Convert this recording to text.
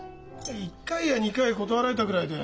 １回や２回断られたぐらいで。